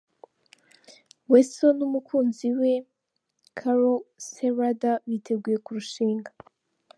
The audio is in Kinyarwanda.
Weasel n'umukunzi we Carol Sserwadda biteguye kurushinga.